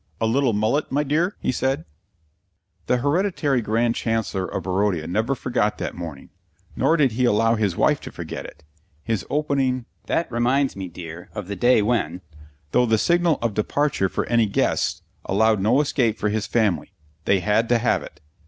"A little mullet, my dear?" he said. The Hereditary Grand Chancellor of Barodia never forgot that morning, nor did he allow his wife to forget it. His opening, "That reminds me, dear, of the day when " though the signal of departure for any guests, allowed no escape for his family. They had to have it.